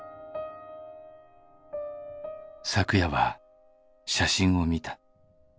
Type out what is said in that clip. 「昨夜は写真を見た」